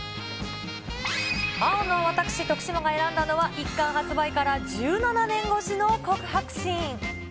青の私、徳島が選んだのは、１巻発売から１７年越しの告白シーン。